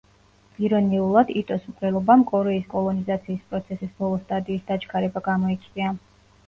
ირონიულად, იტოს მკვლელობამ კორეის კოლონიზაციის პროცესის ბოლო სტადიის დაჩქარება გამოიწვია.